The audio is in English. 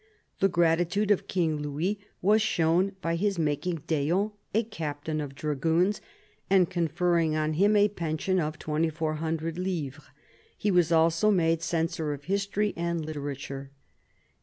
The gratitude of King Louis was shewn by his making d'Eon a captain of dragoons and conferring on him a pension of 2400 livres; he was also made censor of history and literature.